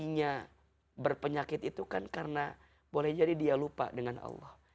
kuncinya berpenyakit itu kan karena boleh jadi dia lupa dengan allah